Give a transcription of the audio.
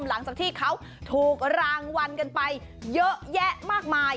หลังจากที่เขาถูกรางวัลกันไปเยอะแยะมากมาย